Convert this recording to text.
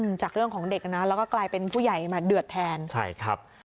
จากเรื่องของเด็กอ่ะนะแล้วก็กลายเป็นผู้ใหญ่มาเดือดแทนใช่ครับ